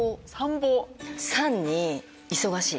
産に忙しい。